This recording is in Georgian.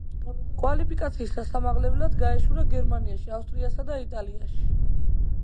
კვალიფიკაციის ასამაღლებლად გაეშურა გერმანიაში, ავსტრიასა და იტალიაში.